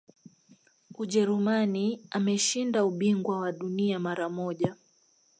ujerumani ameshinda ubingwa wa dunia mara moja